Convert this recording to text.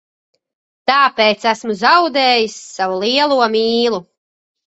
Tāpēc esmu zaudējis savu lielo mīlu.